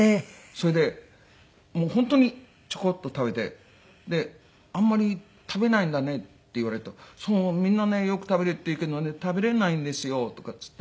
それで本当にちょこっと食べて「あんまり食べないんだね」って言われると「そう。みんなねよく食べるって言うけどね食べれないんですよ」とかって言って。